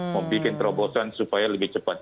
membuat terobosan supaya lebih cepat